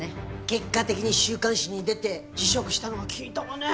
結果的に週刊誌に出て辞職したのが効いたわね。